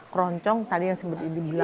keroncong tadi yang sebut ini